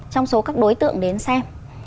trong số các đối tượng đến xem